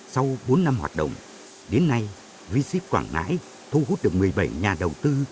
sau bốn năm hoạt động đến nay v sip quảng ngãi thu hút được một mươi bảy nhà đầu tư